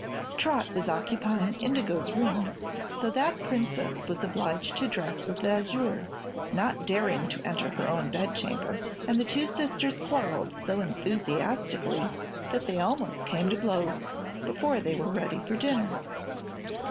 Trot was occupying Indigo's room, so that Princess was obliged to dress with Azure, not daring to enter her own chamber, and the two sisters quarrelled so enthusiastically that they almost came to blows before they were ready for dinner.